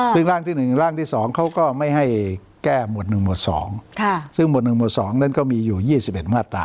อ๋อซึ่งร่างที่หนึ่งกับร่างที่สองเขาก็ไม่ให้แก้หมวดหนึ่งหมวดสองค่ะซึ่งหมวดหนึ่งหมวดสองนั้นก็มีอยู่ยี่สิบเอ็ดมาตรา